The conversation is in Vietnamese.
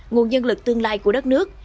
nguồn nhân lực tương lai của đất nước